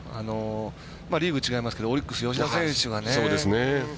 リーグ違いますけどオリックスの吉田選手がね。